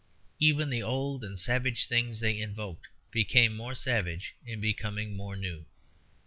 Even the old and savage things they invoked became more savage in becoming more new.